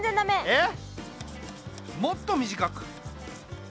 えっ？